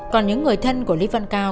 còn những người thân của lý văn cao